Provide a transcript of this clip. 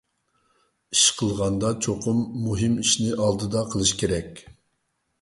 ئىش قىلغاندا چوقۇم مۇھىم ئىشنى ئالدىدا قىلىش كېرەك.